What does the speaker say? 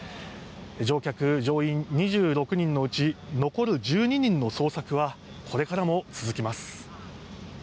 乗客・乗員２６人のうち残る１２人の捜索はこれからも続きます。